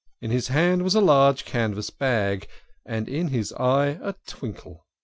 In his hand was a large canvas bag, and in his eye a twinkle.